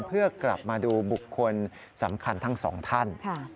เพื่อกลับมาดูบุคคลสำคัญทั้งสองท่าน